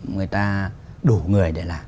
người ta đổ người để làm